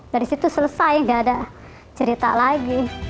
dari situ selesai gak ada cerita lagi